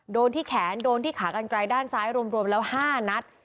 โดนที่แขนโดนที่ขากันไกลด้านซ้ายรวมแล้ว๕นัด